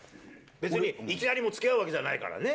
別にいきなりつきあうわけじゃないからね。